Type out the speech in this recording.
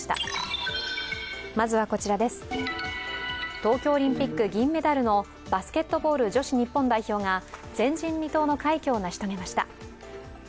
東京オリンピック銀メダルのバスケットボール女子日本代表が前人未到の快挙を成し遂げました。